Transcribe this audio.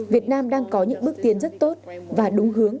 việt nam đang có những bước tiến rất tốt và đúng hướng